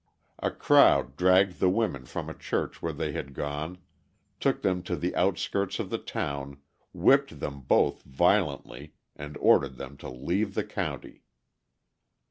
A crowd dragged the women from a church where they had gone, took them to the outskirts of the town, whipped them both violently, and ordered them to leave the county.